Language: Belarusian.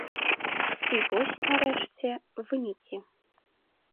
І вось, нарэшце, вынікі.